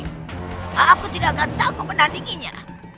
aku tidak akan sanggup menandinginya